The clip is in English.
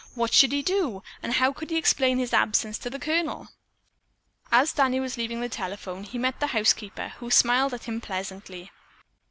What should he do, and how could he explain his absence to the Colonel? As Danny was leaving the telephone, he met the housekeeper, who smiled at him pleasantly.